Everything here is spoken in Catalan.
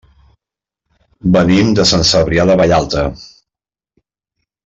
Venim de Sant Cebrià de Vallalta.